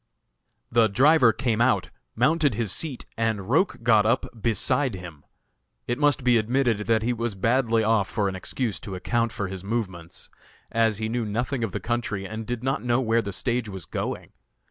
The driver came out, mounted his seat and Roch got up beside him. It must be admitted that he was badly off for an excuse to account for his movements, as he knew nothing of the country, and did not know where the stage was going.